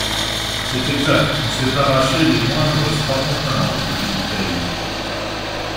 C'est exact, on s'est arraché les moindres strapontins, reprit Dutheil.